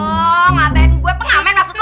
oh ngatain gue pengamen maksud lo